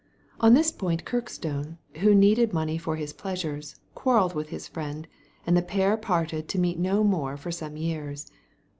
On this point Kirkstone, who needed money for his pleasures, quarrelled with his friend, and the pair parted to meet no more for some years.